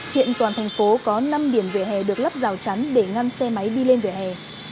hiện toàn thành phố có năm điểm vỉa hè được lắp rào chắn để ngăn xe máy đi lên vỉa hè